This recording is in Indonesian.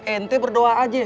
ente berdoa aja